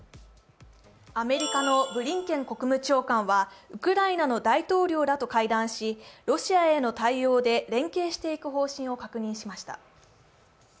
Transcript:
アメリカのブリンケン国務長官はウクライナの大統領らと会談し、ロシアへの対応で連携していく方針を確認しました。